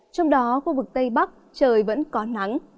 trong đó khu vực tây bắc trời vẫn có nắng